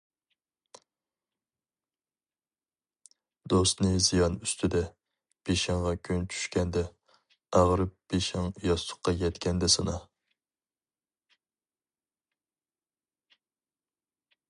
دوستنى زىيان ئۈستىدە، بېشىڭغا كۈن چۈشكەندە، ئاغرىپ بېشىڭ ياستۇققا يەتكەندە سىنا.